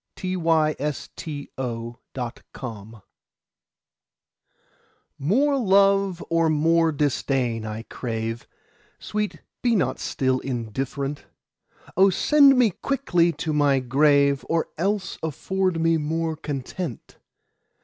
Against Indifference MORE love or more disdain I crave; Sweet, be not still indifferent: O send me quickly to my grave, Or else afford me more content!